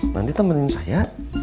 nanti temenin saya